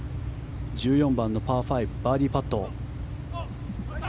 １４番のパー５バーディーパット。